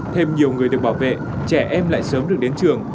thêm nhiều người được bảo vệ trẻ em lại sớm được đến trường